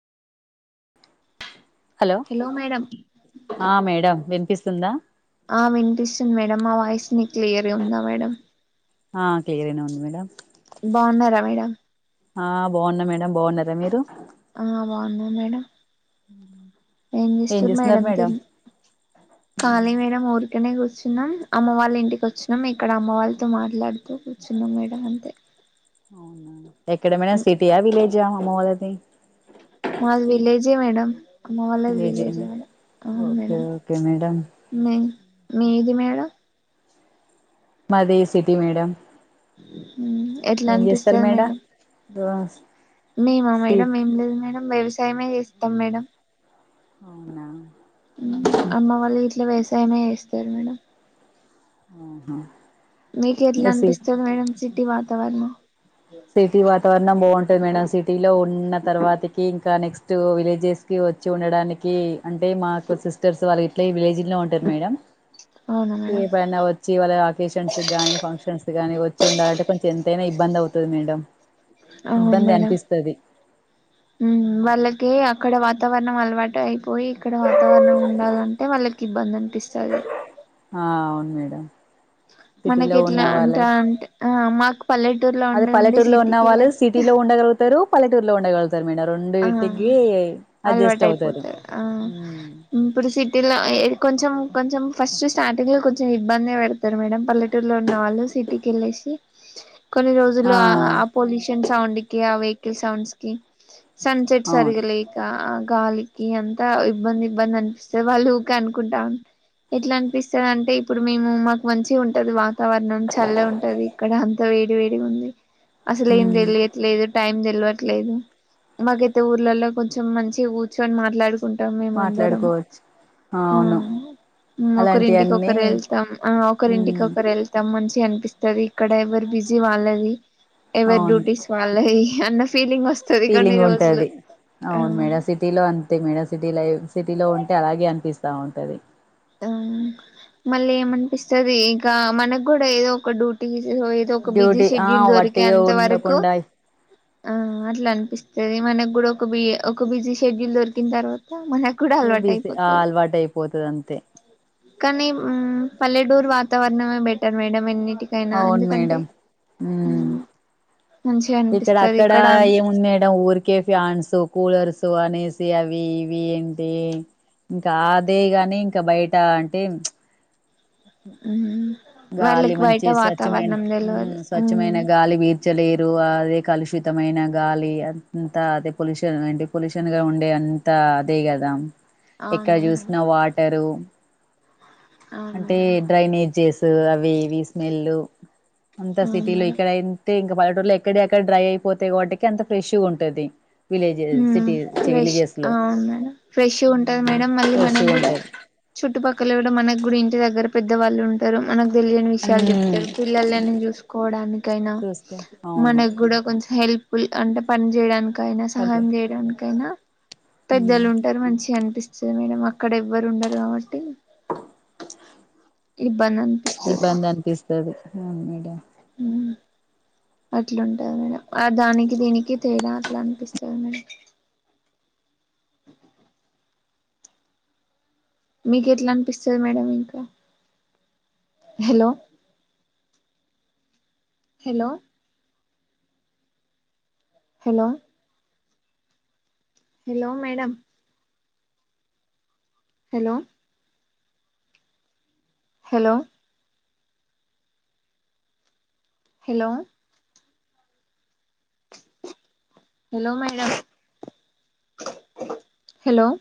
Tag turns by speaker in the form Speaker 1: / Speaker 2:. Speaker 1: Hello ఆ madam వినిపిస్తుందా
Speaker 2: మీక్లియర్గా ఉందా మేడమ్
Speaker 1: ఆ క్లియర్గనే ఉంది మేడమ్
Speaker 2: బాగున్నారా మేడమ్
Speaker 1: ఆ బాగున్నా మేడమ్ బాగున్నారా మీరు
Speaker 2: ఆ బాగున్నా మేడమ్ ఏం చేస్తురు
Speaker 1: చేస్తున్నారు
Speaker 2: మేడమ్
Speaker 1: మేడం
Speaker 2: తిన్ ఖాళీ మేడమ్ ఊర్ కనే కూర్చున్నాం అమ్మ వాళ్ళ ఇంటికి వచ్చినం, ఇక్కడ అమ్మ వాళ్ళతో మాట్లాడుతూ కూర్చున్నాం మేడమ్ అంతే.
Speaker 1: అవునా ఎక్కడ మేడమ్ సిటీయా విలేజా అమ్మవాళ్ళది
Speaker 2: మాది విలేజే మేడం అమ్మవాళ్ళది విలేజే
Speaker 1: విలేజేనా
Speaker 2: మేడమ్ అవును
Speaker 1: ఓకే
Speaker 2: మేడమ్
Speaker 1: ఓకే మేడం
Speaker 2: మేం మీది మేడమ్
Speaker 1: మాది సిటీ మేడమ్
Speaker 2: మ్మ్ ఎట్ల అనిపిస్తది మేడం
Speaker 1: [unintelligible]
Speaker 2: మేమా
Speaker 1: సి
Speaker 2: మేడమ్ ఏం లేదు మేడమ్ వ్యవసాయమే చేస్తం మేడమ్
Speaker 1: హవునా
Speaker 2: ఉమ్ అమ్మ వాళ్ళు గిట్లా వ్యవసాయమే చేస్తారు మేడమ్
Speaker 1: ఆహ
Speaker 2: మీకు ఎట్లా అనిపిస్తది మేడం సిటీ వాతావరణం
Speaker 1: సిటీ వా తావరణం బాగుంటది మేడం సిటీలో ఉన్న తర్వాతకి ఇంకా నెక్స్ట్ విలేజెస్ కి వచ్చి ఉండడాని కి అంటే మాకు సిస్టర్స్ వాళ్ళు ఇట్లా విలేజ్ లోనే ఉంటరు మేడమ్
Speaker 2: హా
Speaker 1: ఎపుడైనా వచ్చి వాళ్ళ అకేషన్స్ కి గాని ఫంక్షన్స్ గానీ వచ్చి ఉండాలంటే కొంచెం ఎంతైనా ఇబ్బంది అవు తది మేడమ్ ఇబ్బంది అనిపిస్తది
Speaker 2: ఉమ్ వాళ్ళకి అక అక్కడ వాతావరణం అలవాటు అయిపోయి ఇక్కడ వాతావరణం ఉండాలంటే వాళ్ళకి ఇబ్బంది అనిపిస్తది
Speaker 1: ఆ అవును మేడమ్
Speaker 2: మనకి
Speaker 1: సిటీలో ఉన్న
Speaker 2: ఎట్లా అంట
Speaker 1: వాళ్ళు
Speaker 2: అంటే ఆ మాకు పల్లెటూరులో
Speaker 1: అదే
Speaker 2: ఉండి ఉండి
Speaker 1: పల్లెటూరులో
Speaker 2: సిటీకి
Speaker 1: ఉన్నవాళ్ళు సిటీలో ఉండగలుగుతారు పలటూరిలో ఉండ మీ రెండు
Speaker 2: ఆ
Speaker 1: ఇంటికి అడ్జస్ట్
Speaker 2: అలవాటు
Speaker 1: అవుతారు
Speaker 2: అయిపోతది ఏది కొంచం కొంచెం ఫస్ట్ స్టార్టింగ్ లో కొంచెం ఇబ్బంది పెడతారు మేడం పల్లెటూరులో ఉన్న వాళ్ళు సిటీకి వెళ్ళిసి కొన్ని రోజులు ఆ పొల్యూషన్ సౌండ్ కి ఆ వెహికల్ సౌండ్స్ కి సన్సెట్
Speaker 1: అవును
Speaker 2: సరిగలేక గాలికి అంతా ఇబ్బంది ఇబ్బంది అనిపిస్తే వాళ్ళు ఊరిక అనుకుంటాం ఎట్లా అనిపిస్తుంది అంటే ఇప్పుడు మేము మాకు మంచి ఉంటది వా వాతావరణం చల్ల ఉంటది ఇక్కడ అంత వేడి వేడి ఉంది అసలు ఏం
Speaker 1: మ్మ్
Speaker 2: తెలియట్లేదు టైం తెలవట్లేదు మాకైతే ఊర్లలో కొంచెం మంచి కూర్చుొని మాట్లాడుకు కుంటాం మేము అందరం
Speaker 1: మాట్లాడుకోవచ్చు
Speaker 2: ఆ
Speaker 1: అవును
Speaker 2: ఒకరింటికి
Speaker 1: అలాంటియన్నీ
Speaker 2: ఒకరు వెళ్తాం ఆ ఒకరింటికి
Speaker 1: మ్మ్
Speaker 2: ఒకరు వెళ్తాం మంచి అనిపిస్తది ఇక్కడ ఎవరు బిజీ వాళ్ళది ఎవరి
Speaker 1: అవును
Speaker 2: డ్యూటీస్ వాళ్ళది అన్న ఫీలింగ్ వస్తది
Speaker 1: ఫీలింగ్ ఉంటది
Speaker 2: ఆ
Speaker 1: అవును మెడా సిటీ లో అంతే మెడా సిటీ లై సిటీలో ఉంటే అలాగే అనిపిస్తా ఉంటది
Speaker 2: ఆ మళ్ళీ ఏమనిపిస్తుంది ఇంకా మనకు కూడా ఏదో ఒక డ్యూటీ ఏదో ఒక బిజీ
Speaker 1: డ్యూటీ ఆ
Speaker 2: షెడ్యూల్ దొరికే
Speaker 1: వట్టిగా
Speaker 2: అంత వరకు
Speaker 1: ఉండకుండా
Speaker 2: ఆ అట్లా అనిపిస్తది మనకి కూడా ఒక బి ఒక బిజీ షెడ్యూల్ దొరికిన తర్వాత మన కూడా
Speaker 1: ఏ
Speaker 2: అలవాటు
Speaker 1: బిజీ ఆ
Speaker 2: అయిపోతది
Speaker 1: అలవాటు అయిపోతది అంతే
Speaker 2: కానీ పల్లెటూర్ వాతావరణమే బెటర్ మేడమ్ ఎన్ని ఇటికైనా
Speaker 1: అవును
Speaker 2: ఎందుకంటే
Speaker 1: మేడం ఉమ్
Speaker 2: మంచిగా
Speaker 1: ఇక్కడ
Speaker 2: అనిపిస్తది
Speaker 1: అక్కడ ఏముంది మడం ఊరికే ఫ్యాన్స్ కూలర్స్ అనే అవి ఇవి ఏంటి ఇంకా అదే గాని ఇంకా బయట అంటే
Speaker 2: హమ్
Speaker 1: గాలి మంచి స్వచ్ఛమైన
Speaker 2: తెలవదు
Speaker 1: స్వచ్ఛమైన గాలి బీ లేరు అదే కలుషితమైన గాలి అంతా అదే పొల్యషన్ అంట పొల్యూషన్ గా ఉండే అంత అదే కదా
Speaker 2: అవును
Speaker 1: ఎక్కడ
Speaker 2: మేడం
Speaker 1: చూసిన వాటరు
Speaker 2: అవును
Speaker 1: అంటే
Speaker 2: మేడం
Speaker 1: డ్రైనేజెస్ అవి ఇవి స్మెల్ అంత
Speaker 2: అవును
Speaker 1: సిటీలో
Speaker 2: మేడం
Speaker 1: ఇక్కడ అయితే ఇంకా పలటూరులో ఎక్కడ అక్కడ డ్రై అయిపోతే వాటికి అంత ఫ్రెష్ ఉంటది విలేజెస్
Speaker 2: ఉమ్
Speaker 1: సిటీ
Speaker 2: ఫ్రెష్
Speaker 1: విలేజెస్ లో
Speaker 2: అవును మేడం ఫ్రెష్ ఉంటది మేడం మళ్ళీ మనం
Speaker 1: ఫ్రెష్గా
Speaker 2: కూడా
Speaker 1: ఉంటది
Speaker 2: చుట్టుపక్కల కూడా మనకు కూడా ఇంటి దగ్గర పెద్దవాళ్ళు ఉంటారు మనకు తెలియని విషయాలు
Speaker 1: మ్మ్
Speaker 2: చెప్తారు పిల్లలు చూసుకోవడాన్ని కైనా
Speaker 1: చూసుకో అవును
Speaker 2: మనకు కూడా కొంచెం హెల్ప ఫుల్ అంటే పని చేయడానికైనా
Speaker 1: అదే
Speaker 2: సహాయం చేయడానికైనా పెద్దలు
Speaker 1: మ్మ్
Speaker 2: ఉంటారు మంచి అనిపిస్తుంది మేడం అక్కడ ఎవ్వరు ఉండరు కాబట్టి ఇబ్బంది అనిపిస్తది
Speaker 1: ఇబ్బంద అనిపిస్తది మేడం
Speaker 2: ఉమ్ అట్లాంటది మేడం ఆ దానికి దీనికి తేడా అట్లా అనిపిస్తది మేడం
Speaker 1: అ
Speaker 2: మీకు ఎట్లా అనిపిస్తుంది మేడం ఇంకా hello hello hello hello madam hello hello hello hello madam hello